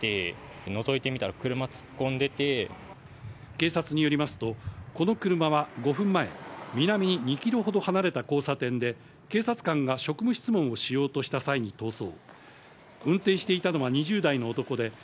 警察によりますと、この車は５分前、南に２キロほど離れた交差点で、警察官が職務質問をしようとした際に逃走。